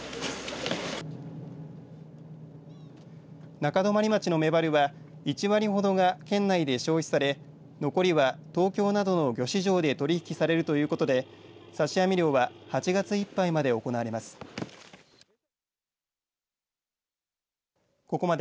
中泊町のメバルは、１割ほどが県内で消費され残りは東京などの魚市場で取り引きされるということで刺し網漁は８月いっぱいまで行われます。